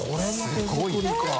すごいな。